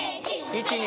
１２